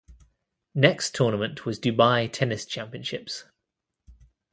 Next tournament was Dubai Tennis Championships.